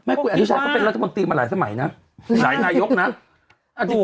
ไม่คุณอนุชาติก็เป็นรัฐมนตรีมาหลายสมัยนะสายทายกนะ